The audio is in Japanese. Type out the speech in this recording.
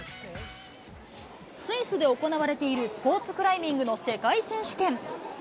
スイスで行われているスポーツクライミングの世界選手権。